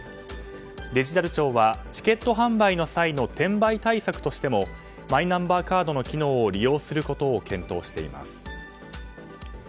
デジタル庁はチケット販売の際の転売対策としてもマイナンバーカードの機能を利用することを検討しています。